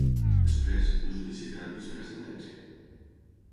Després, el judici ha quedat vist per a sentència.